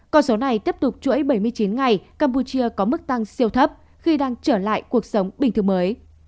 con số này tiếp tục chuỗi bảy mươi chín ngày campuchia có mức tăng siêu thấp khi đang trở lại cuộc sống bình thường mới